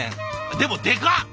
でもでかっ！